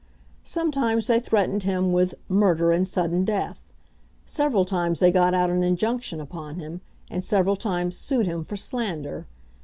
Sometimes they threatened him with "murder and sudden death." Several times they got out an injunction upon him, and several times sued him for slander.